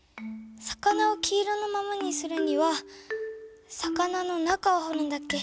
魚を黄色のままにするには魚の中をほるんだっけ？